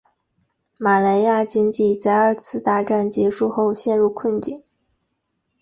马来亚经济在二次大战结束后陷于困境。